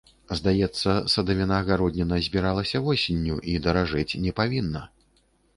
Здаецца, садавіна-гародніна збіралася восенню, і даражэць не павінна.